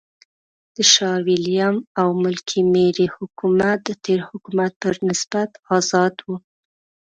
د شاه وېلیم او ملکې مېري حکومت د تېر حکومت پر نسبت آزاد و.